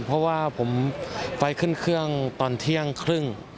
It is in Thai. เพราะว่าผมไปขึ้นเครื่องตอนเที่ยงครึ่ง